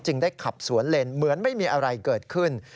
ได้ขับสวนเลนเหมือนไม่มีอะไรเกิดขึ้น